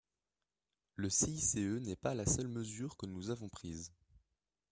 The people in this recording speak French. Le CICE n’est pas la seule mesure que nous avons prise.